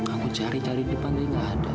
aku cari cari di depan dia nggak ada